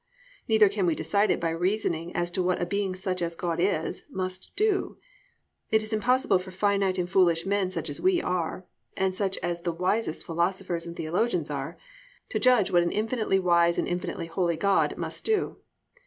Neither can we decide it by reasoning as to what such a being as God is must do. It is impossible for finite and foolish men such as we are, and such as the wisest philosophers and theologians are, to judge what an Infinitely wise and Infinitely holy God must do.